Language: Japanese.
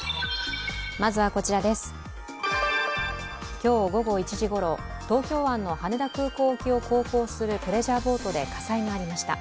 今日午後１時ごろ、東京湾の羽田空港沖を航行するプレジャーボートで火災がありました。